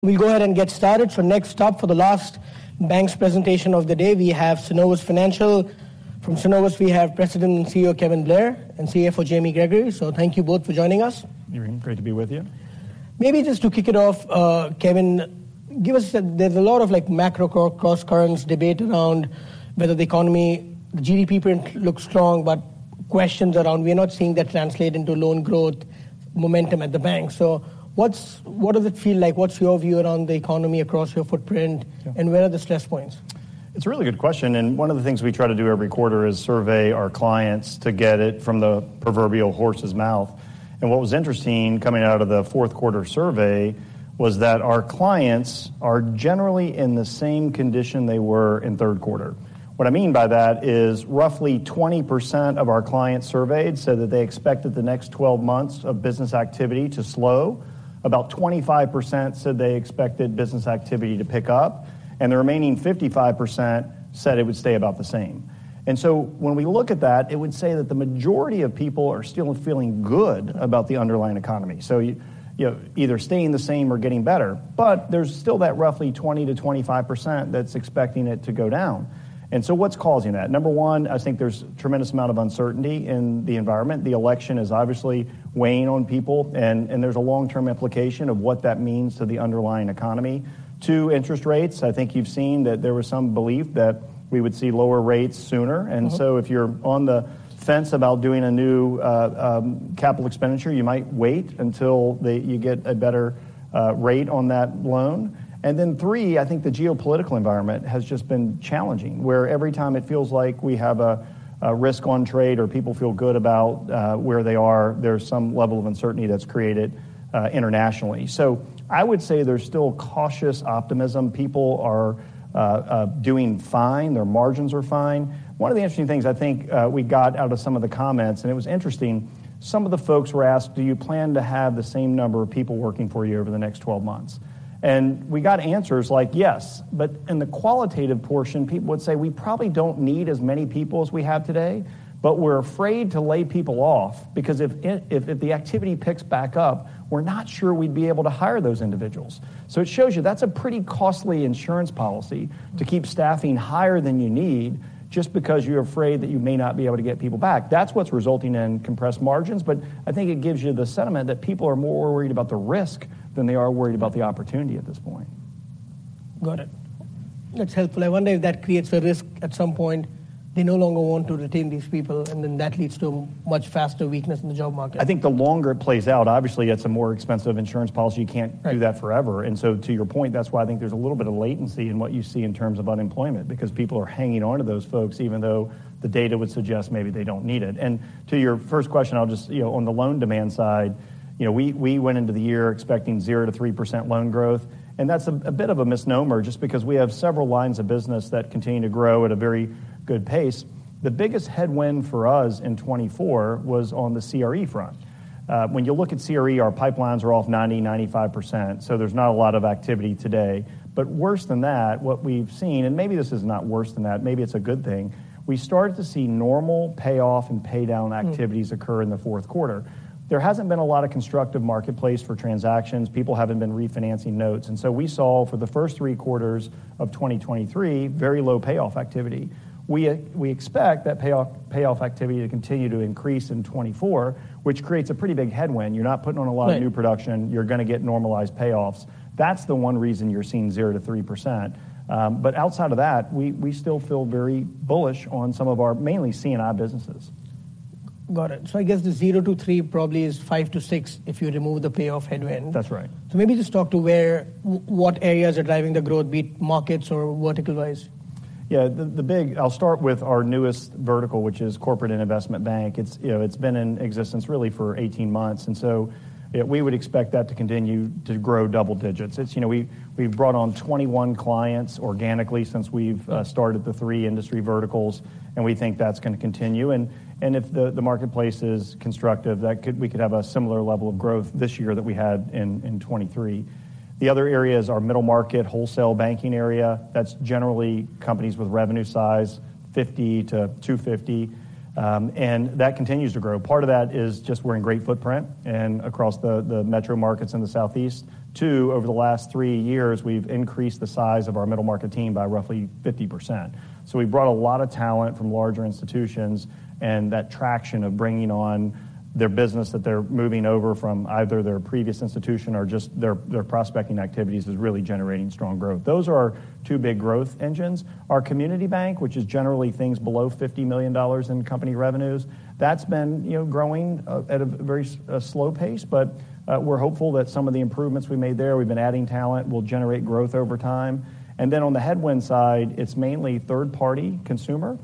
We'll go ahead and get started. Next stop for the last bank's presentation of the day, we have Synovus Financial. From Synovus, we have President and CEO Kevin Blair and CFO Jamie Gregory. Thank you both for joining us. You're very great to be with you. Maybe just to kick it off, Kevin, give us. There's a lot of macro cross-currents debate around whether the economy, the GDP print looks strong, but questions around, we are not seeing that translate into loan growth momentum at the bank. So what does it feel like? What's your view around the economy across your footprint, and where are the stress points? It's a really good question. One of the things we try to do every quarter is survey our clients to get it from the proverbial horse's mouth. What was interesting coming out of the fourth quarter survey was that our clients are generally in the same condition they were in third quarter. What I mean by that is roughly 20% of our clients surveyed said that they expected the next 12 months of business activity to slow. About 25% said they expected business activity to pick up. The remaining 55% said it would stay about the same. When we look at that, it would say that the majority of people are still feeling good about the underlying economy. So either staying the same or getting better. But there's still that roughly 20%-25% that's expecting it to go down. So what's causing that? Number 1, I think there's a tremendous amount of uncertainty in the environment. The election is obviously weighing on people. There's a long-term implication of what that means to the underlying economy. 2, interest rates. I think you've seen that there was some belief that we would see lower rates sooner. So if you're on the fence about doing a new capital expenditure, you might wait until you get a better rate on that loan. Then 3, I think the geopolitical environment has just been challenging, where every time it feels like we have a risk on trade or people feel good about where they are, there's some level of uncertainty that's created internationally. So I would say there's still cautious optimism. People are doing fine. Their margins are fine. One of the interesting things I think we got out of some of the comments, and it was interesting, some of the folks were asked, "Do you plan to have the same number of people working for you over the next 12 months?" And we got answers like, "Yes." But in the qualitative portion, people would say, "We probably don't need as many people as we have today. But we're afraid to lay people off because if the activity picks back up, we're not sure we'd be able to hire those individuals." So it shows you that's a pretty costly insurance policy to keep staffing higher than you need just because you're afraid that you may not be able to get people back. That's what's resulting in compressed margins. But I think it gives you the sentiment that people are more worried about the risk than they are worried about the opportunity at this point. Got it. That's helpful. I wonder if that creates a risk at some point they no longer want to retain these people, and then that leads to a much faster weakness in the job market. I think the longer it plays out, obviously it's a more expensive insurance policy. You can't do that forever. And so to your point, that's why I think there's a little bit of latency in what you see in terms of unemployment, because people are hanging on to those folks even though the data would suggest maybe they don't need it. And to your first question, I'll just on the loan demand side, we went into the year expecting 0%-3% loan growth. And that's a bit of a misnomer just because we have several lines of business that continue to grow at a very good pace. The biggest headwind for us in 2024 was on the CRE front. When you look at CRE, our pipelines are off 90%-95%. So there's not a lot of activity today. But worse than that, what we've seen and maybe this is not worse than that, maybe it's a good thing we started to see normal payoff and paydown activities occur in the fourth quarter. There hasn't been a lot of constructive marketplace for transactions. People haven't been refinancing notes. And so we saw for the first three quarters of 2023 very low payoff activity. We expect that payoff activity to continue to increase in 2024, which creates a pretty big headwind. You're not putting on a lot of new production. You're going to get normalized payoffs. That's the one reason you're seeing 0%-3%. But outside of that, we still feel very bullish on some of our mainly CNI businesses. Got it. So I guess the 0-3 probably is 5-6 if you remove the payoff headwind. That's right. Maybe just talk to where what areas are driving the growth, be it markets or vertical-wise. Yeah. The big, I'll start with our newest vertical, which is Corporate and Investment Bank. It's been in existence really for 18 months. So we would expect that to continue to grow double digits. We've brought on 21 clients organically since we've started the three industry verticals. We think that's going to continue. If the marketplace is constructive, we could have a similar level of growth this year that we had in 2023. The other areas are middle market, Wholesale Banking area. That's generally companies with revenue size 50-250. That continues to grow. Part of that is just we're in great footprint across the metro markets in the Southeast. Two, over the last three years, we've increased the size of our middle market team by roughly 50%. So we brought a lot of talent from larger institutions. And that traction of bringing on their business that they're moving over from either their previous institution or just their prospecting activities is really generating strong growth. Those are our two big growth engines. Our Community Bank, which is generally things below $50 million in company revenues, that's been growing at a very slow pace. But we're hopeful that some of the improvements we made there, we've been adding talent, will generate growth over time. And then on the headwind side, it's mainly third-party consumer,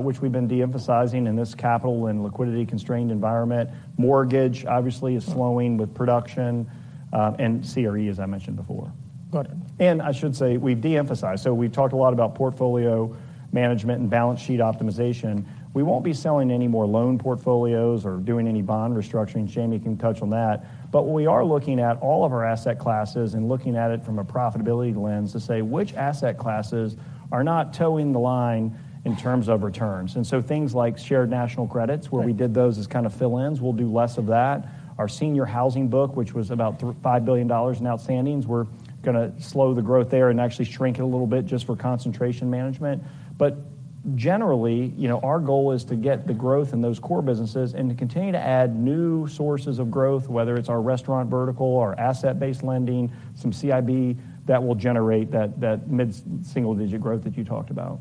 which we've been de-emphasizing in this capital and liquidity-constrained environment. Mortgage, obviously, is slowing with production. And CRE, as I mentioned before. Got it. I should say we've de-emphasized. So we've talked a lot about portfolio management and balance sheet optimization. We won't be selling any more loan portfolios or doing any bond restructuring. Jamie can touch on that. But what we are looking at, all of our asset classes, and looking at it from a profitability lens to say which asset classes are not toeing the line in terms of returns. And so things like shared national credits, where we did those as kind of fill-ins, we'll do less of that. Our senior housing book, which was about $5 billion in outstandings, we're going to slow the growth there and actually shrink it a little bit just for concentration management. But generally, our goal is to get the growth in those core businesses and to continue to add new sources of growth, whether it's our restaurant vertical, our asset-based lending, some CIB, that will generate that mid-single-digit growth that you talked about.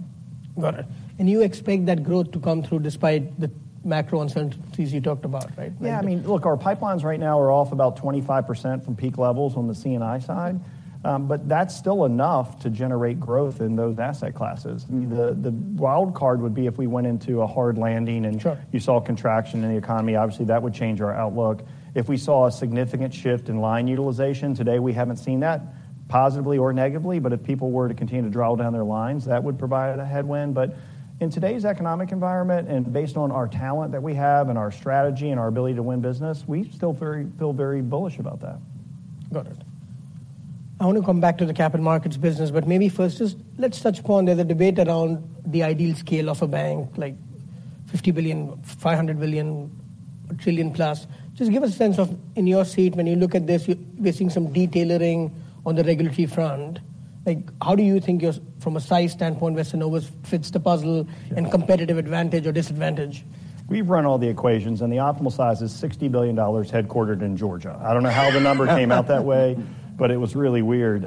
Got it. You expect that growth to come through despite the macro uncertainties you talked about, right? Yeah. I mean, look, our pipelines right now are off about 25% from peak levels on the CNI side. But that's still enough to generate growth in those asset classes. The wild card would be if we went into a hard landing and you saw contraction in the economy. Obviously, that would change our outlook. If we saw a significant shift in line utilization, today we haven't seen that positively or negatively. But if people were to continue to draw down their lines, that would provide a headwind. But in today's economic environment and based on our talent that we have and our strategy and our ability to win business, we still feel very bullish about that. Got it. I want to come back to the capital markets business. But maybe first, just let's touch upon the debate around the ideal scale of a bank, like $50 billion, $500 billion, $1 trillion plus. Just give us a sense of, in your seat, when you look at this, we're seeing some tailoring on the regulatory front. How do you think, from a size standpoint, where Synovus fits the puzzle and competitive advantage or disadvantage? We've run all the equations. The optimal size is $60 billion headquartered in Georgia. I don't know how the number came out that way. It was really weird.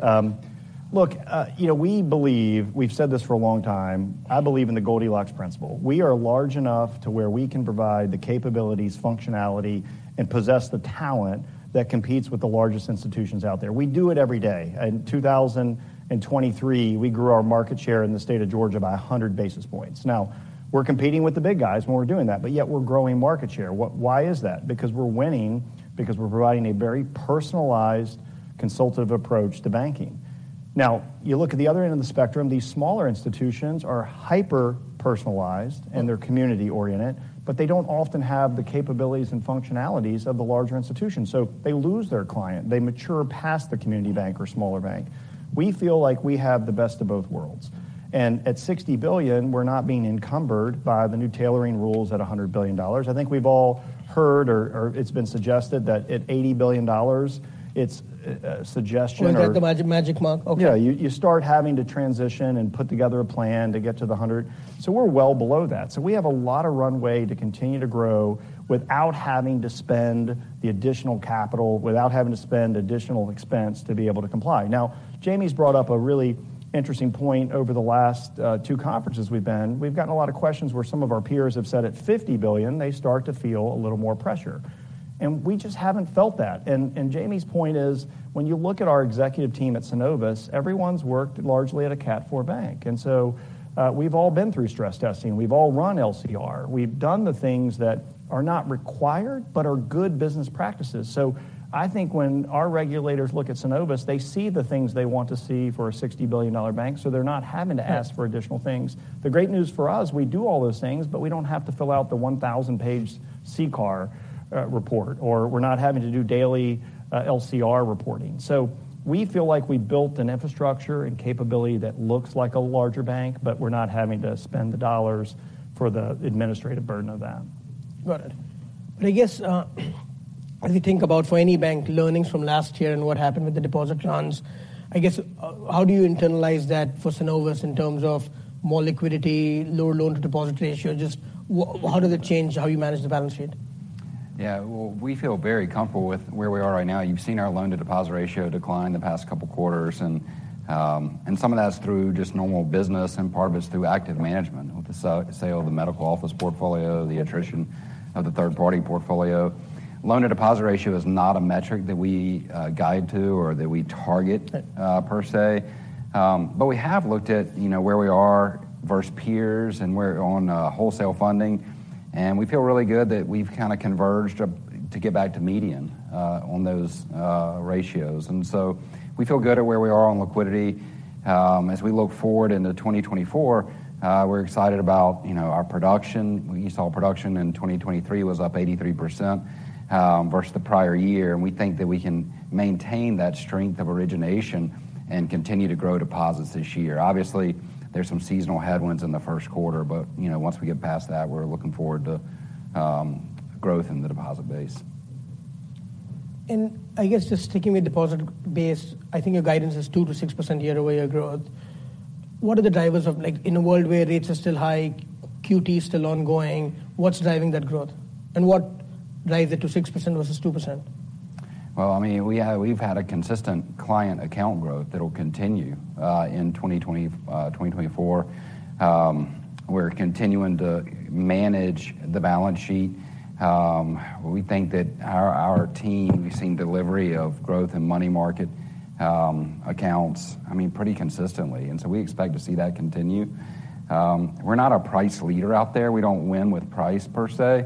Look, we believe we've said this for a long time. I believe in the Goldilocks principle. We are large enough to where we can provide the capabilities, functionality, and possess the talent that competes with the largest institutions out there. We do it every day. In 2023, we grew our market share in the state of Georgia by 100 basis points. Now, we're competing with the big guys when we're doing that. Yet, we're growing market share. Why is that? Because we're winning because we're providing a very personalized consultative approach to banking. Now, you look at the other end of the spectrum, these smaller institutions are hyper-personalized, and they're community-oriented. But they don't often have the capabilities and functionalities of the larger institutions. So they lose their client. They mature past the community bank or smaller bank. We feel like we have the best of both worlds. And at $60 billion, we're not being encumbered by the new tailoring rules at $100 billion. I think we've all heard or it's been suggested that at $80 billion, it's a suggestion or. Want to cut the magic mark? OK. Yeah. You start having to transition and put together a plan to get to the 100. So we're well below that. So we have a lot of runway to continue to grow without having to spend the additional capital, without having to spend additional expense to be able to comply. Now, Jamie's brought up a really interesting point over the last two conferences we've been. We've gotten a lot of questions where some of our peers have said at $50 billion, they start to feel a little more pressure. And we just haven't felt that. And Jamie's point is, when you look at our executive team at Synovus, everyone's worked largely at a CAT 4 bank. And so we've all been through stress testing. We've all run LCR. We've done the things that are not required but are good business practices. So I think when our regulators look at Synovus, they see the things they want to see for a $60 billion bank. So they're not having to ask for additional things. The great news for us, we do all those things. But we don't have to fill out the 1,000-page CCAR report. Or we're not having to do daily LCR reporting. So we feel like we built an infrastructure and capability that looks like a larger bank. But we're not having to spend the dollars for the administrative burden of that. Got it. But I guess, as you think about for any bank, learnings from last year and what happened with the deposit runs, I guess, how do you internalize that for Synovus in terms of more liquidity, lower loan-to-deposit ratio? Just how does it change how you manage the balance sheet? Yeah. Well, we feel very comfortable with where we are right now. You've seen our loan-to-deposit ratio decline the past couple of quarters. Some of that's through just normal business. And part of it's through active management, with the sale of the medical office portfolio, the attrition of the third-party portfolio. Loan-to-deposit ratio is not a metric that we guide to or that we target, per se. But we have looked at where we are versus peers and where on wholesale funding. And we feel really good that we've kind of converged to get back to median on those ratios. And so we feel good at where we are on liquidity. As we look forward into 2024, we're excited about our production. We saw production in 2023 was up 83% versus the prior year. We think that we can maintain that strength of origination and continue to grow deposits this year. Obviously, there's some seasonal headwinds in the first quarter. Once we get past that, we're looking forward to growth in the deposit base. I guess, just taking the deposit base, I think your guidance is 2%-6% year-over-year growth. What are the drivers of in a world where rates are still high, QT is still ongoing, what's driving that growth? And what drives it to 6% versus 2%? Well, I mean, we've had a consistent client account growth that will continue in 2024. We're continuing to manage the balance sheet. We think that our team we've seen delivery of growth in money market accounts, I mean, pretty consistently. And so we expect to see that continue. We're not a price leader out there. We don't win with price, per se.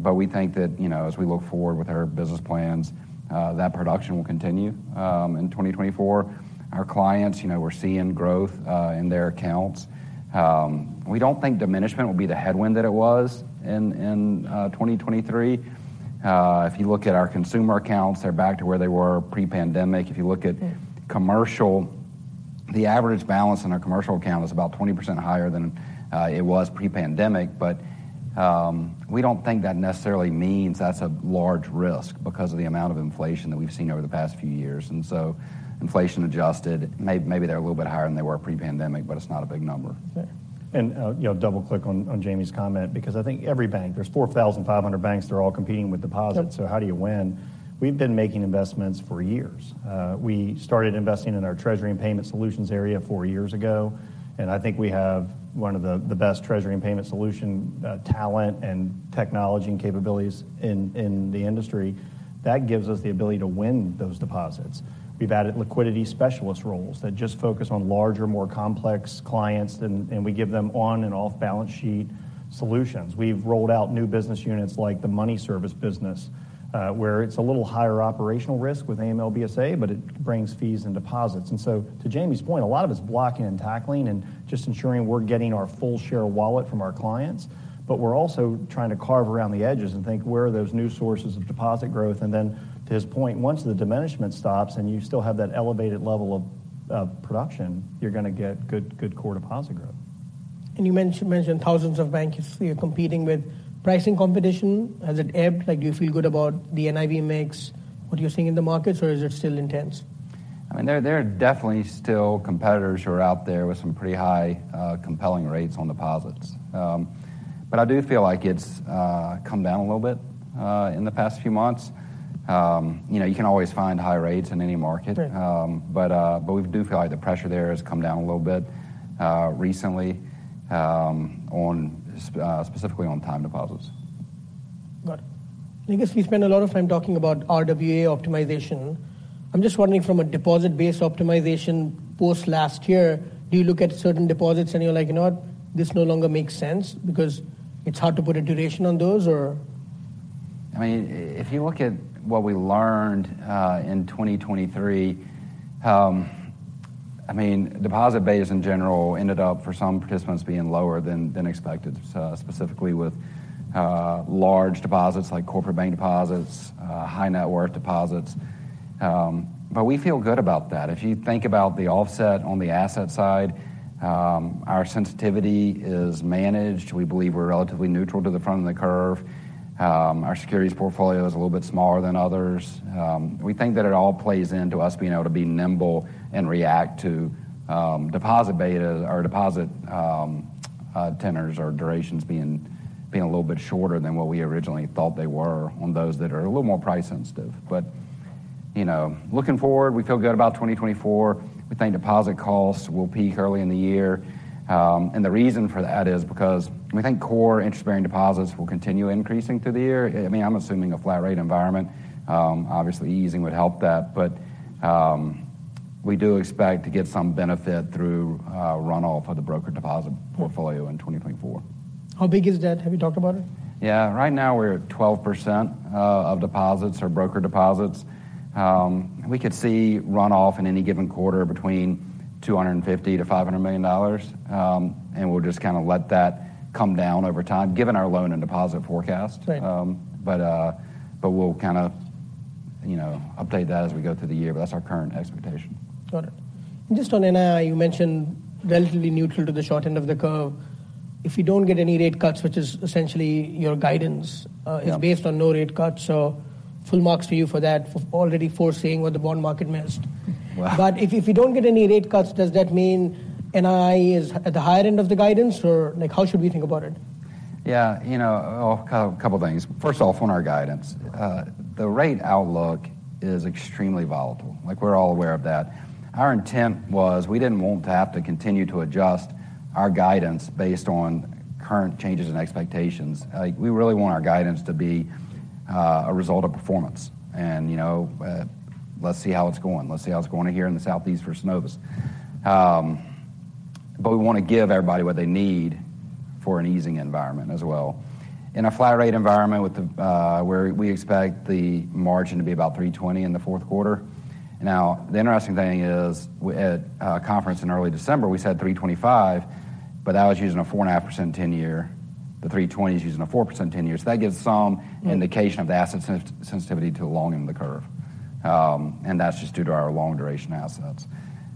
But we think that as we look forward with our business plans, that production will continue in 2024. Our clients, we're seeing growth in their accounts. We don't think diminishment will be the headwind that it was in 2023. If you look at our consumer accounts, they're back to where they were pre-pandemic. If you look at commercial, the average balance in our commercial account is about 20% higher than it was pre-pandemic. But we don't think that necessarily means that's a large risk because of the amount of inflation that we've seen over the past few years. And so inflation-adjusted, maybe they're a little bit higher than they were pre-pandemic. But it's not a big number. Double-click on Jamie's comment. Because I think every bank, there's 4,500 banks. They're all competing with deposits. So how do you win? We've been making investments for years. We started investing in our Treasury and Payment Solutions area four years ago. And I think we have one of the best Treasury and Payment Solutions talent and technology and capabilities in the industry. That gives us the ability to win those deposits. We've added liquidity specialist roles that just focus on larger, more complex clients. And we give them on and off-balance sheet solutions. We've rolled out new business units like the money service business, where it's a little higher operational risk with AML/BSA. But it brings fees and deposits. And so, to Jamie's point, a lot of it's blocking and tackling and just ensuring we're getting our full share of wallet from our clients. But we're also trying to carve around the edges and think, where are those new sources of deposit growth? And then, to his point, once the diminishment stops and you still have that elevated level of production, you're going to get good core deposit growth. You mentioned thousands of banks that are competing with. Pricing competition, has it ebbed? Do you feel good about the NII mix? What are you seeing in the markets? Or is it still intense? I mean, there are definitely still competitors who are out there with some pretty high, compelling rates on deposits. But I do feel like it's come down a little bit in the past few months. You can always find high rates in any market. But we do feel like the pressure there has come down a little bit recently, specifically on time deposits. Got it. I guess we spend a lot of time talking about RWA optimization. I'm just wondering, from a deposit-based optimization post-last year, do you look at certain deposits and you're like, you know what, this no longer makes sense? Because it's hard to put a duration on those? I mean, if you look at what we learned in 2023, I mean, deposit base, in general, ended up for some participants being lower than expected, specifically with large deposits like corporate bank deposits, high-net-worth deposits. But we feel good about that. If you think about the offset on the asset side, our sensitivity is managed. We believe we're relatively neutral to the front of the curve. Our securities portfolio is a little bit smaller than others. We think that it all plays into us being able to be nimble and react to deposit beta or deposit tenors or durations being a little bit shorter than what we originally thought they were on those that are a little more price-sensitive. But looking forward, we feel good about 2024. We think deposit costs will peak early in the year. The reason for that is because we think core interest-bearing deposits will continue increasing through the year. I mean, I'm assuming a flat-rate environment. Obviously, easing would help that. But we do expect to get some benefit through runoff of the brokered deposit portfolio in 2024. How big is that? Have you talked about it? Yeah. Right now, we're at 12% of deposits or brokered deposits. We could see runoff in any given quarter between $250 million-$500 million. And we'll just kind of let that come down over time, given our loan-and-deposit forecast. But we'll kind of update that as we go through the year. But that's our current expectation. Got it. And just on NII, you mentioned relatively neutral to the short end of the curve. If you don't get any rate cuts, which is essentially your guidance, it's based on no rate cuts. So full marks to you for that, for already foreseeing what the bond market missed. But if you don't get any rate cuts, does that mean NII is at the higher end of the guidance? Or how should we think about it? Yeah. You know, a couple of things. First off, on our guidance, the rate outlook is extremely volatile. We're all aware of that. Our intent was we didn't want to have to continue to adjust our guidance based on current changes in expectations. We really want our guidance to be a result of performance. And let's see how it's going. Let's see how it's going here in the Southeast for Synovus. But we want to give everybody what they need for an easing environment as well. In a flat-rate environment where we expect the margin to be about 320 in the fourth quarter. Now, the interesting thing is, at a conference in early December, we said 325. But that was using a 4.5% 10-year. The 320 is using a 4% 10-year. So that gives some indication of the asset sensitivity to the long end of the curve. That's just due to our long-duration assets.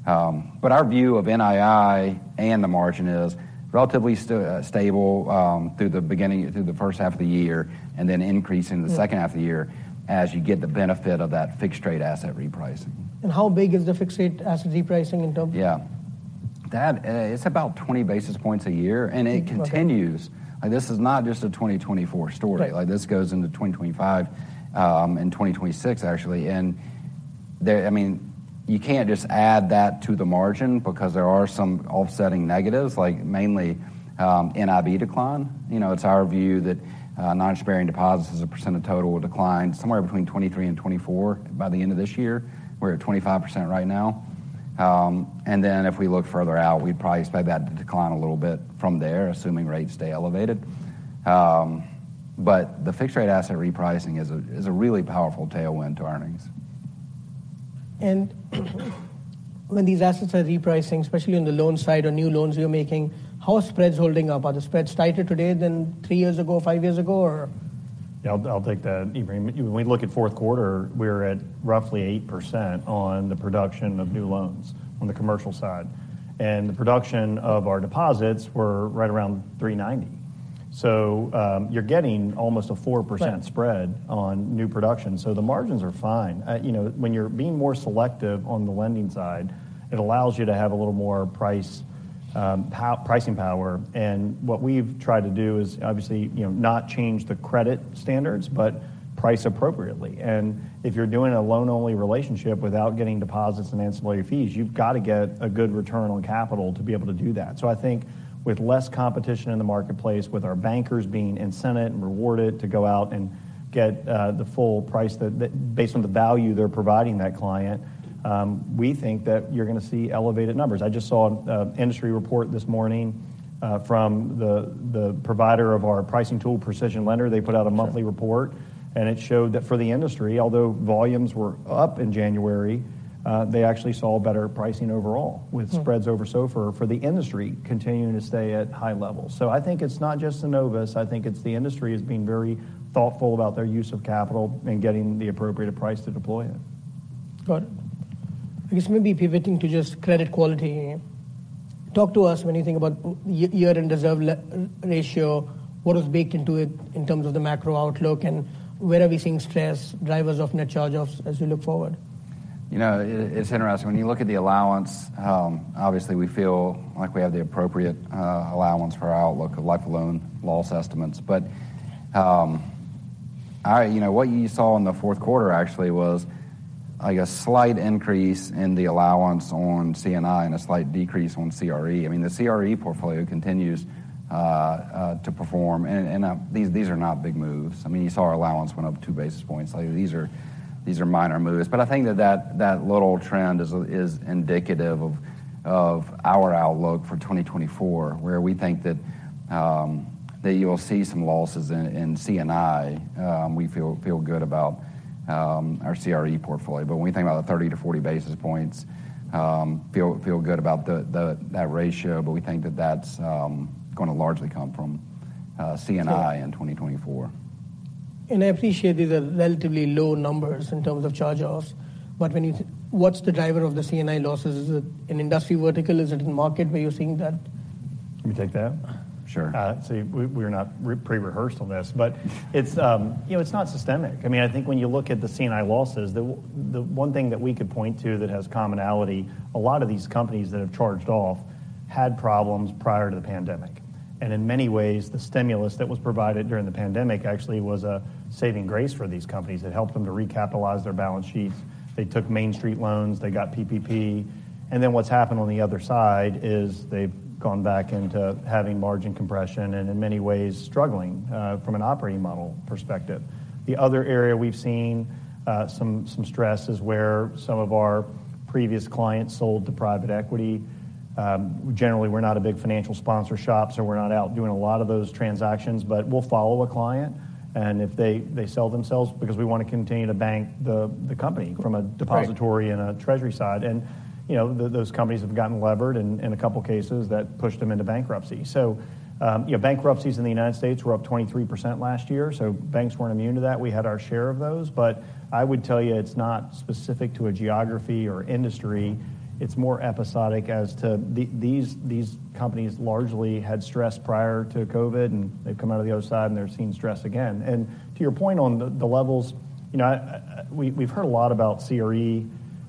Our view of NII and the margin is relatively stable through the beginning, through the first half of the year, and then increasing the second half of the year as you get the benefit of that fixed-rate asset repricing. How big is the fixed-rate asset repricing in terms of? Yeah. It's about 20 basis points a year. It continues. This is not just a 2024 story. This goes into 2025 and 2026, actually. I mean, you can't just add that to the margin because there are some offsetting negatives, like mainly NIB decline. It's our view that non-interest-bearing deposits, as a percentage total, will decline somewhere between 23%-24% by the end of this year. We're at 25% right now. Then, if we look further out, we'd probably expect that to decline a little bit from there, assuming rates stay elevated. But the fixed-rate asset repricing is a really powerful tailwind to earnings. When these assets are repricing, especially on the loan side or new loans you're making, how are spreads holding up? Are the spreads tighter today than three years ago, five years ago? Yeah. I'll take that, Ibrahim. When we look at fourth quarter, we're at roughly 8% on the production of new loans on the commercial side. And the production of our deposits were right around 390. So you're getting almost a 4% spread on new production. So the margins are fine. When you're being more selective on the lending side, it allows you to have a little more pricing power. And what we've tried to do is, obviously, not change the credit standards but price appropriately. And if you're doing a loan-only relationship without getting deposits and ancillary fees, you've got to get a good return on capital to be able to do that. So I think with less competition in the marketplace, with our bankers being incented and rewarded to go out and get the full price based on the value they're providing that client, we think that you're going to see elevated numbers. I just saw an industry report this morning from the provider of our pricing tool, PrecisionLender. They put out a monthly report. And it showed that for the industry, although volumes were up in January, they actually saw better pricing overall with spreads over SOFR, for the industry continuing to stay at high levels. So I think it's not just Synovus. I think it's the industry is being very thoughtful about their use of capital and getting the appropriate price to deploy it. Got it. I guess maybe pivoting to just credit quality. Talk to us when you think about the year-end reserve ratio. What is baked into it in terms of the macro outlook? And where are we seeing stress, drivers of net charge-offs, as you look forward? You know, it's interesting. When you look at the allowance, obviously, we feel like we have the appropriate allowance for our outlook of lifetime loan loss estimates. But what you saw in the fourth quarter, actually, was a slight increase in the allowance on CNI and a slight decrease on CRE. I mean, the CRE portfolio continues to perform. And these are not big moves. I mean, you saw our allowance went up two basis points. These are minor moves. But I think that that little trend is indicative of our outlook for 2024, where we think that you'll see some losses in CNI. We feel good about our CRE portfolio. But when we think about the 30-40 basis points, feel good about that ratio. But we think that that's going to largely come from CNI in 2024. I appreciate these are relatively low numbers in terms of charge-offs. What's the driver of the CNI losses? Is it in industry vertical? Is it in market where you're seeing that? Let me take that. Sure. See, we're not pre-rehearsed on this. But it's not systemic. I mean, I think when you look at the CNI losses, the one thing that we could point to that has commonality, a lot of these companies that have charged off had problems prior to the pandemic. And in many ways, the stimulus that was provided during the pandemic actually was a saving grace for these companies. It helped them to recapitalize their balance sheets. They took Main Street loans. They got PPP. And then what's happened on the other side is they've gone back into having margin compression and, in many ways, struggling from an operating model perspective. The other area we've seen some stress is where some of our previous clients sold to private equity. Generally, we're not a big financial sponsor shop. So we're not out doing a lot of those transactions. But we'll follow a client. And if they sell themselves because we want to continue to bank the company from a depository and a treasury side. And those companies have gotten levered in a couple of cases that pushed them into bankruptcy. So bankruptcies in the United States were up 23% last year. So banks weren't immune to that. We had our share of those. But I would tell you it's not specific to a geography or industry. It's more episodic as to these companies largely had stress prior to COVID. And they've come out of the other side. And they're seeing stress again. And to your point on the levels, we've heard a lot about CRE.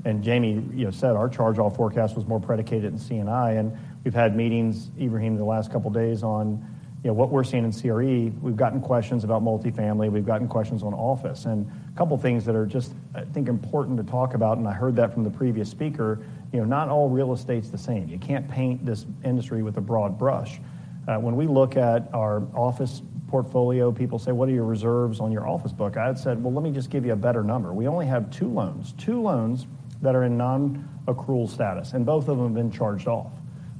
And Jamie said our charge-off forecast was more predicated in CNI. And we've had meetings, Ibrahim, the last couple of days on what we're seeing in CRE. We've gotten questions about multifamily. We've gotten questions on office. A couple of things that are just, I think, important to talk about, and I heard that from the previous speaker, not all real estate's the same. You can't paint this industry with a broad brush. When we look at our office portfolio, people say, what are your reserves on your office book? I had said, well, let me just give you a better number. We only have two loans, two loans that are in non-accrual status. And both of them have been charged off.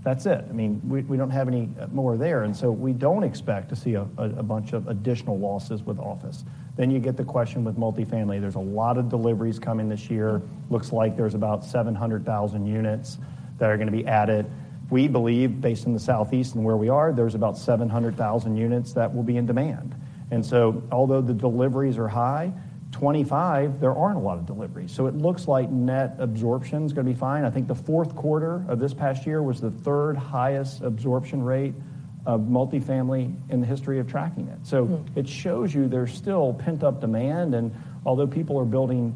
That's it. I mean, we don't expect to see a bunch of additional losses with office. Then you get the question with multifamily. There's a lot of deliveries coming this year. Looks like there's about 700,000 units that are going to be added. We believe, based on the Southeast and where we are, there's about 700,000 units that will be in demand. Although the deliveries are high, 25, there aren't a lot of deliveries. It looks like net absorption is going to be fine. I think the fourth quarter of this past year was the third-highest absorption rate of multifamily in the history of tracking it. It shows you there's still pent-up demand. Although people are building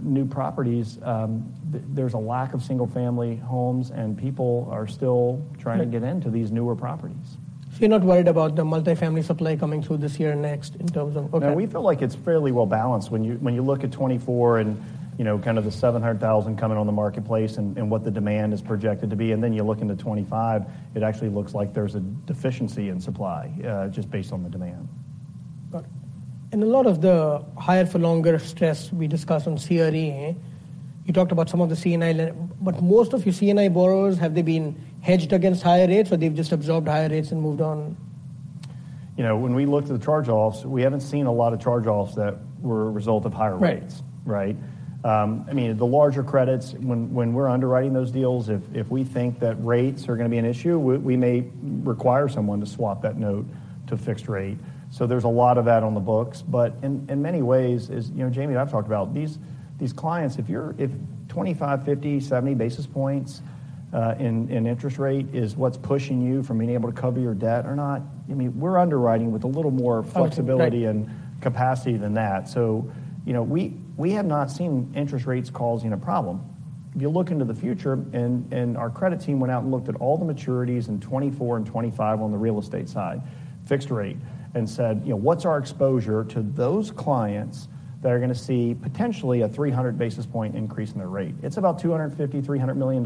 new properties, there's a lack of single-family homes. People are still trying to get into these newer properties. So you're not worried about the multifamily supply coming through this year and next in terms of? No. We feel like it's fairly well-balanced. When you look at 2024 and kind of the 700,000 coming on the marketplace and what the demand is projected to be, and then you look into 2025, it actually looks like there's a deficiency in supply just based on the demand. Got it. And a lot of the higher-for-longer stress we discussed on CRE, you talked about some of the CNI lending. But most of your CNI borrowers, have they been hedged against higher rates? Or they've just absorbed higher rates and moved on? When we looked at the charge-offs, we haven't seen a lot of charge-offs that were a result of higher rates, right? I mean, the larger credits, when we're underwriting those deals, if we think that rates are going to be an issue, we may require someone to swap that note to fixed rate. So there's a lot of that on the books. But in many ways, as Jamie and I've talked about, these clients, if 25, 50, 70 basis points in interest rate is what's pushing you from being able to cover your debt or not, I mean, we're underwriting with a little more flexibility and capacity than that. So we have not seen interest rates causing a problem. If you look into the future, and our credit team went out and looked at all the maturities in 2024 and 2025 on the real estate side, fixed rate, and said, what's our exposure to those clients that are going to see potentially a 300 basis point increase in their rate? It's about $250 million-$300 million.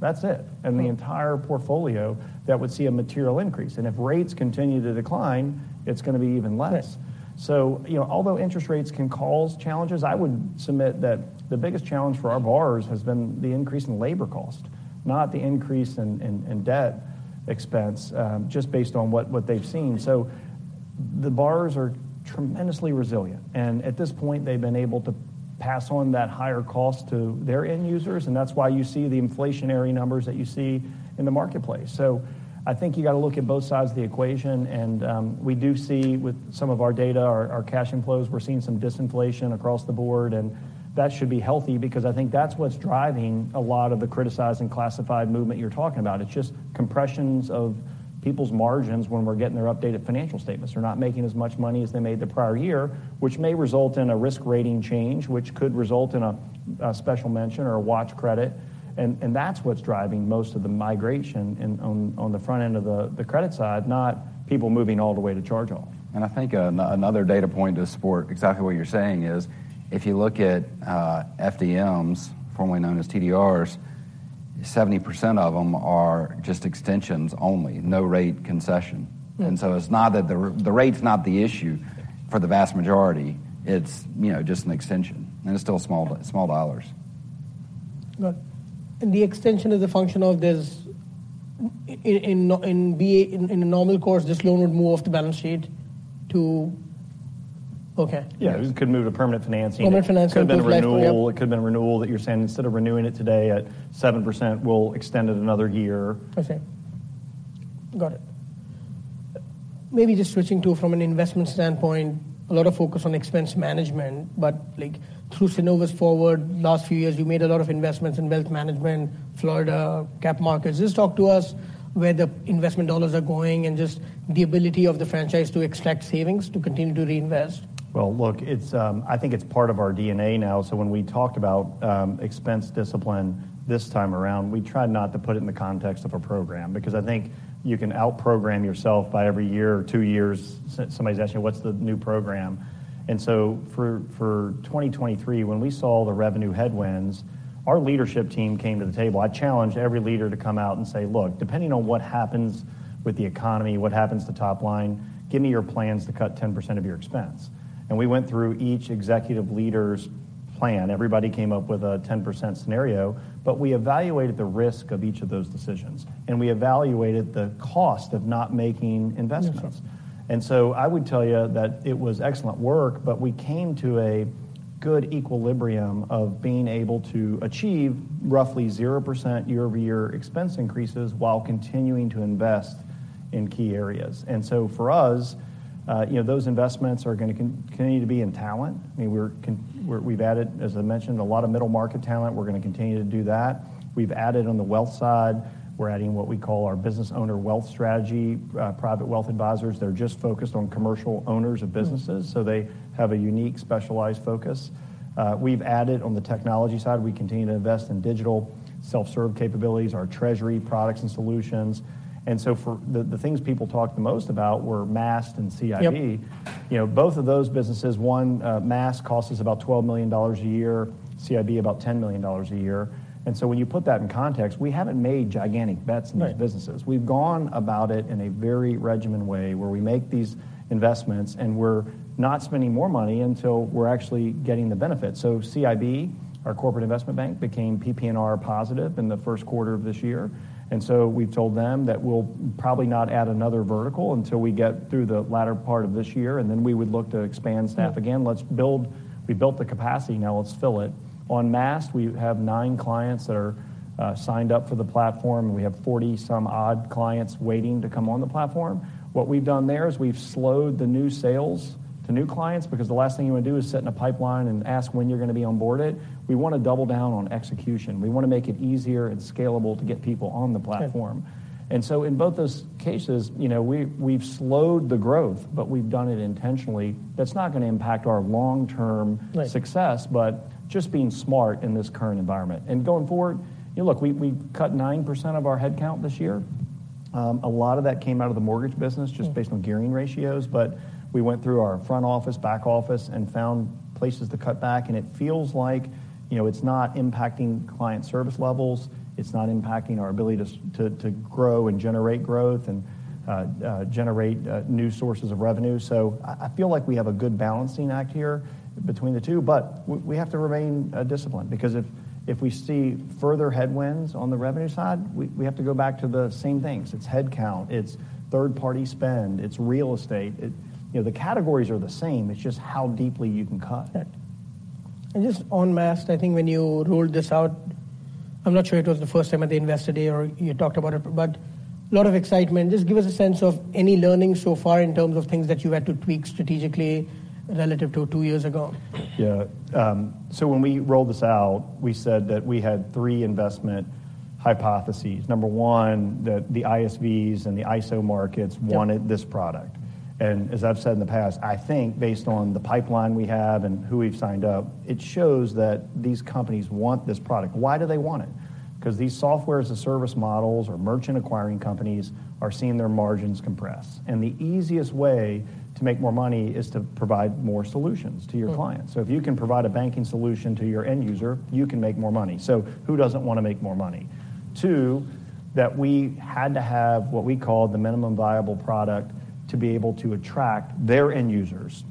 That's it. The entire portfolio that would see a material increase. If rates continue to decline, it's going to be even less. So although interest rates can cause challenges, I would submit that the biggest challenge for our borrowers has been the increase in labor cost, not the increase in debt expense, just based on what they've seen. The borrowers are tremendously resilient. At this point, they've been able to pass on that higher cost to their end users. That's why you see the inflationary numbers that you see in the marketplace. So I think you got to look at both sides of the equation. We do see, with some of our data, our cash inflows, we're seeing some disinflation across the board. That should be healthy because I think that's what's driving a lot of the criticizing classified movement you're talking about. It's just compressions of people's margins when we're getting their updated financial statements. They're not making as much money as they made the prior year, which may result in a risk rating change, which could result in a special mention or a watch credit. That's what's driving most of the migration on the front end of the credit side, not people moving all the way to charge-off. I think another data point to support exactly what you're saying is, if you look at FDMs, formerly known as TDRs, 70% of them are just extensions only, no rate concession. So it's not that the rate's not the issue for the vast majority. It's just an extension. It's still small dollars. Got it. The extension is a function of, in a normal course, this loan would move off the balance sheet to? Yeah. It could move to permanent financing. Permanent financing would be collective. It could have been renewal. It could have been renewal that you're saying, instead of renewing it today at 7%, we'll extend it another year. I see. Got it. Maybe just switching to, from an investment standpoint, a lot of focus on expense management. But through Synovus Forward, last few years, you made a lot of investments in wealth management, Florida, cap markets. Just talk to us where the investment dollars are going and just the ability of the franchise to extract savings to continue to reinvest. Well, look, I think it's part of our DNA now. So when we talk about expense discipline this time around, we try not to put it in the context of a program because I think you can out-program yourself by every year or two years. Somebody's asking you, what's the new program? And so for 2023, when we saw the revenue headwinds, our leadership team came to the table. I challenged every leader to come out and say, look, depending on what happens with the economy, what happens to top line, give me your plans to cut 10% of your expense. And we went through each executive leader's plan. Everybody came up with a 10% scenario. But we evaluated the risk of each of those decisions. And we evaluated the cost of not making investments. And so I would tell you that it was excellent work. But we came to a good equilibrium of being able to achieve roughly 0% year-over-year expense increases while continuing to invest in key areas. For us, those investments are going to continue to be in talent. I mean, we've added, as I mentioned, a lot of middle-market talent. We're going to continue to do that. We've added on the wealth side, we're adding what we call our Business Owner Wealth Strategy, private wealth advisors. They're just focused on commercial owners of businesses. So they have a unique specialized focus. We've added on the technology side. We continue to invest in digital self-serve capabilities, our treasury products and solutions. The things people talked the most about were Maast and CIB. Both of those businesses, one, Maast costs us about $12 million a year, CIB about $10 million a year. When you put that in context, we haven't made gigantic bets in these businesses. We've gone about it in a very regimented way where we make these investments. And we're not spending more money until we're actually getting the benefits. So CIB, our Corporate and Investment Bank, became PPNR positive in the first quarter of this year. And so we've told them that we'll probably not add another vertical until we get through the latter part of this year. And then we would look to expand staff again. We built the capacity. Now let's fill it. On Maast, we have nine clients that are signed up for the platform. And we have 40-some-odd clients waiting to come on the platform. What we've done there is we've slowed the new sales to new clients because the last thing you want to do is sit in a pipeline and ask when you're going to be onboarded. We want to double down on execution. We want to make it easier and scalable to get people on the platform. And so in both those cases, we've slowed the growth. But we've done it intentionally. That's not going to impact our long-term success. But just being smart in this current environment. And going forward, look, we cut 9% of our headcount this year. A lot of that came out of the mortgage business just based on gearing ratios. But we went through our front office, back office, and found places to cut back. And it feels like it's not impacting client service levels. It's not impacting our ability to grow and generate growth and generate new sources of revenue. So I feel like we have a good balancing act here between the two. But we have to remain disciplined because if we see further headwinds on the revenue side, we have to go back to the same things. It's headcount. It's third-party spend. It's real estate. The categories are the same. It's just how deeply you can cut. Just on Maast, I think when you rolled this out, I'm not sure it was the first time at the investor day or you talked about it. But a lot of excitement. Just give us a sense of any learning so far in terms of things that you had to tweak strategically relative to two years ago. Yeah. So when we rolled this out, we said that we had three investment hypotheses. Number one, that the ISVs and the ISO markets wanted this product. And as I've said in the past, I think based on the pipeline we have and who we've signed up, it shows that these companies want this product. Why do they want it? Because these software as a service models or merchant acquiring companies are seeing their margins compress. And the easiest way to make more money is to provide more solutions to your clients. So if you can provide a banking solution to your end user, you can make more money. So who doesn't want to make more money? Two, that we had to have what we called the minimum viable product to be able to attract their end users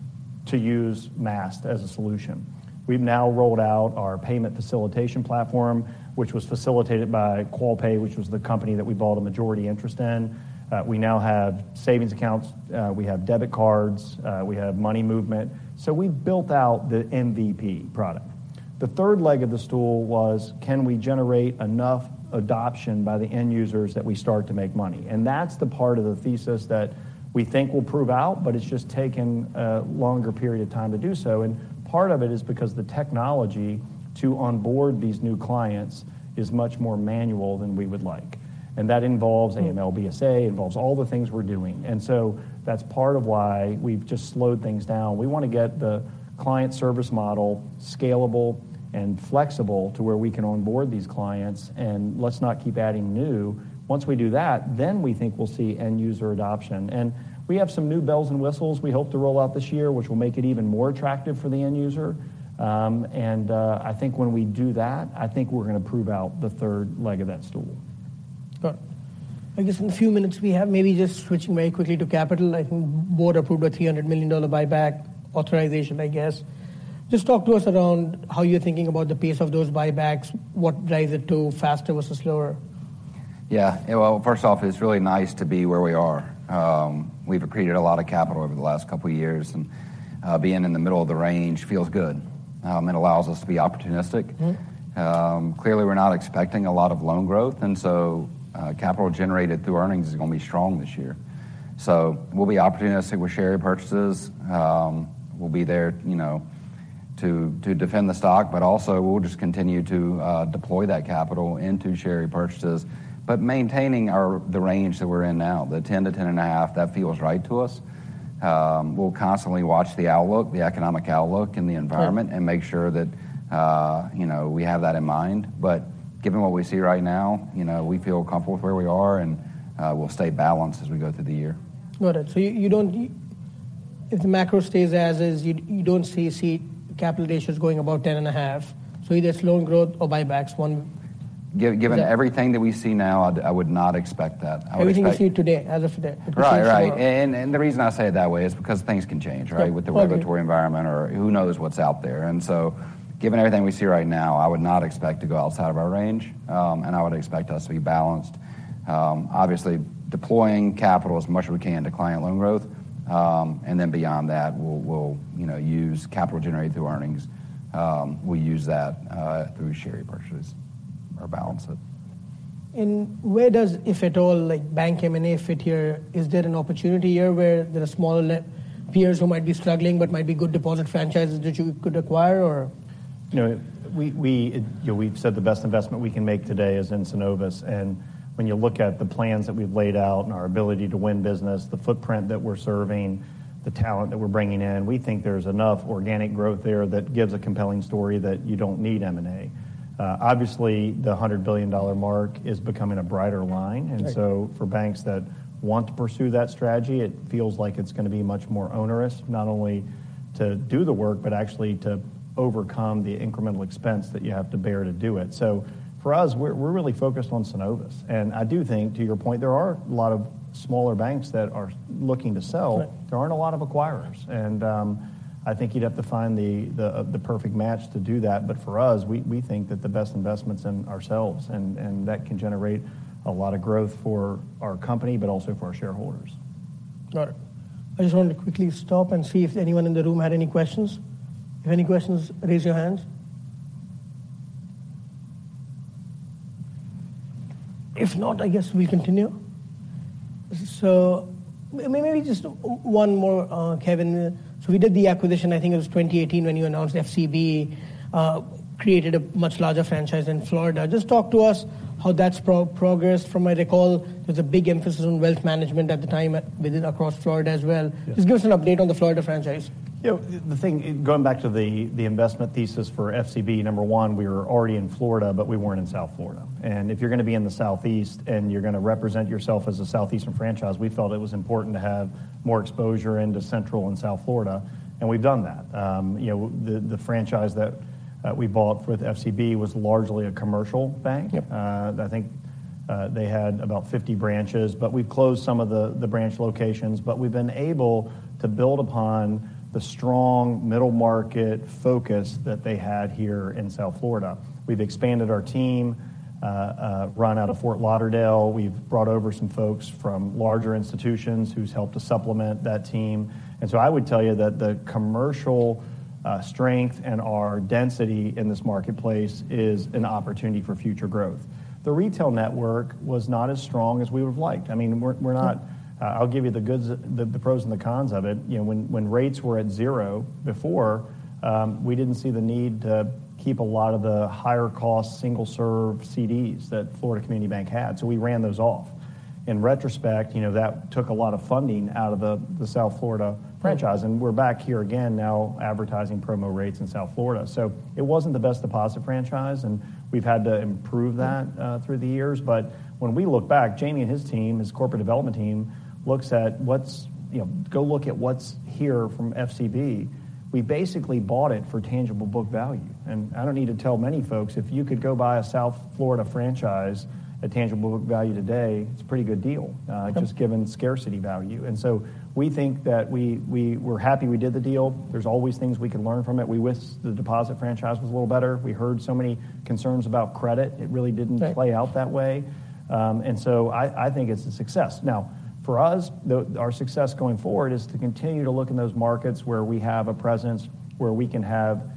to use Maast as a solution. We've now rolled out our payment facilitation platform, which was facilitated by Qualpay, which was the company that we bought a majority interest in. We now have savings accounts. We have debit cards. We have money movement. So we've built out the MVP product. The third leg of the stool was, can we generate enough adoption by the end users that we start to make money? And that's the part of the thesis that we think will prove out. But it's just taken a longer period of time to do so. And part of it is because the technology to onboard these new clients is much more manual than we would like. And that involves AML, BSA, involves all the things we're doing. And so that's part of why we've just slowed things down. We want to get the client service model scalable and flexible to where we can onboard these clients. And let's not keep adding new. Once we do that, then we think we'll see end user adoption. And we have some new bells and whistles we hope to roll out this year, which will make it even more attractive for the end user. And I think when we do that, I think we're going to prove out the third leg of that stool. Got it. I guess in the few minutes we have, maybe just switching very quickly to capital, I think board approved a $300 million buyback authorization, I guess. Just talk to us around how you're thinking about the pace of those buybacks. What drives it to faster versus slower? Yeah. Well, first off, it's really nice to be where we are. We've accreted a lot of capital over the last couple of years. Being in the middle of the range feels good. It allows us to be opportunistic. Clearly, we're not expecting a lot of loan growth. So capital generated through earnings is going to be strong this year. We'll be opportunistic with share purchases. We'll be there to defend the stock. But also, we'll just continue to deploy that capital into share purchases but maintaining the range that we're in now, the 10-10.5. That feels right to us. We'll constantly watch the outlook, the economic outlook, and the environment and make sure that we have that in mind. Given what we see right now, we feel comfortable with where we are. We'll stay balanced as we go through the year. Got it. So if the macro stays as is, you don't see capital ratios going above 10.5. So either it's loan growth or buybacks. Given everything that we see now, I would not expect that. Everything you see today, as of today. Right. Right. And the reason I say it that way is because things can change, right, with the regulatory environment or who knows what's out there. And so given everything we see right now, I would not expect to go outside of our range. And I would expect us to be balanced, obviously deploying capital as much as we can to client loan growth. And then beyond that, we'll use capital generated through earnings. We'll use that through share purchases or balance it. Where does, if at all, bank M&A fit here? Is there an opportunity here where there are smaller peers who might be struggling but might be good deposit franchises that you could acquire, or? We've said the best investment we can make today is in Synovus. When you look at the plans that we've laid out and our ability to win business, the footprint that we're serving, the talent that we're bringing in, we think there's enough organic growth there that gives a compelling story that you don't need M&A. Obviously, the $100 billion mark is becoming a brighter line. So for banks that want to pursue that strategy, it feels like it's going to be much more onerous, not only to do the work but actually to overcome the incremental expense that you have to bear to do it. For us, we're really focused on Synovus. I do think, to your point, there are a lot of smaller banks that are looking to sell. There aren't a lot of acquirers. And I think you'd have to find the perfect match to do that. But for us, we think that the best investment's in ourselves. And that can generate a lot of growth for our company but also for our shareholders. Got it. I just wanted to quickly stop and see if anyone in the room had any questions. If any questions, raise your hands. If not, I guess we'll continue. So maybe just one more, Kevin. So we did the acquisition. I think it was 2018 when you announced FCB, created a much larger franchise in Florida. Just talk to us how that's progressed. From my recall, there's a big emphasis on wealth management at the time across Florida as well. Just give us an update on the Florida franchise. Yeah. Going back to the investment thesis for FCB, number one, we were already in Florida. But we weren't in South Florida. And if you're going to be in the Southeast and you're going to represent yourself as a Southeastern franchise, we felt it was important to have more exposure into Central and South Florida. And we've done that. The franchise that we bought with FCB was largely a commercial bank. I think they had about 50 branches. But we've closed some of the branch locations. But we've been able to build upon the strong middle-market focus that they had here in South Florida. We've expanded our team, run out of Fort Lauderdale. We've brought over some folks from larger institutions who's helped to supplement that team. And so I would tell you that the commercial strength and our density in this marketplace is an opportunity for future growth. The retail network was not as strong as we would have liked. I mean, I'll give you the pros and the cons of it. When rates were at zero before, we didn't see the need to keep a lot of the higher-cost single-serve CDs that Florida Community Bank had. So we ran those off. In retrospect, that took a lot of funding out of the South Florida franchise. And we're back here again now advertising promo rates in South Florida. So it wasn't the best deposit franchise. And we've had to improve that through the years. But when we look back, Jamie and his team, his corporate development team, looks at what's here from FCB. We basically bought it for tangible book value. I don't need to tell many folks, if you could go buy a South Florida franchise at tangible book value today, it's a pretty good deal just given scarcity value. And so we think that we're happy we did the deal. There's always things we can learn from it. We wish the deposit franchise was a little better. We heard so many concerns about credit. It really didn't play out that way. And so I think it's a success. Now, for us, our success going forward is to continue to look in those markets where we have a presence, where we can have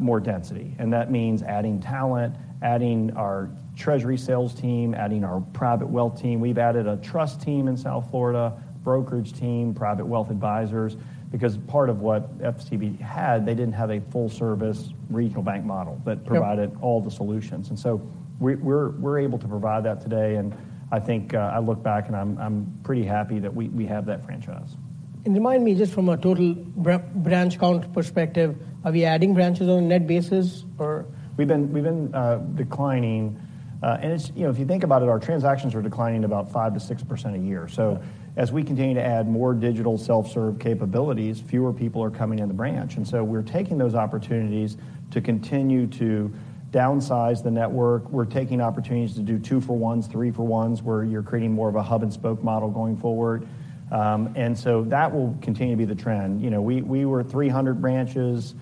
more density. And that means adding talent, adding our treasury sales team, adding our private wealth team. We've added a trust team in South Florida, brokerage team, private wealth advisors. Because part of what FCB had, they didn't have a full-service regional bank model that provided all the solutions. And so we're able to provide that today. And I think I look back and I'm pretty happy that we have that franchise. Remind me, just from a total branch count perspective, are we adding branches on a net basis, or? We've been declining. If you think about it, our transactions are declining about 5%-6% a year. As we continue to add more digital self-serve capabilities, fewer people are coming in the branch. We're taking those opportunities to continue to downsize the network. We're taking opportunities to do two-for-ones, three-for-ones where you're creating more of a hub-and-spoke model going forward. That will continue to be the trend. We were 300 branches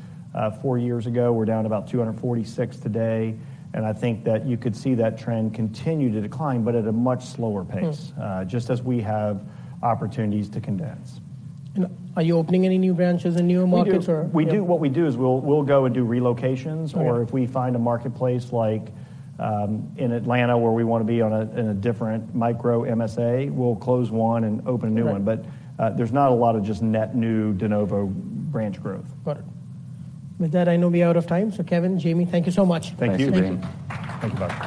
four years ago. We're down about 246 today. I think that you could see that trend continue to decline but at a much slower pace just as we have opportunities to condense. Are you opening any new branches in newer markets, or? What we do is we'll go and do relocations. Or if we find a marketplace like in Atlanta where we want to be in a different Micro MSA, we'll close one and open a new one. But there's not a lot of just net new de novo branch growth. Got it. With that, I know we're out of time. So Kevin, Jamie, thank you so much. Thank you, Dane. Thank you, Bye.